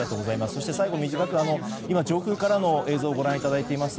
それから今短く今、上空からの映像をご覧いただいています。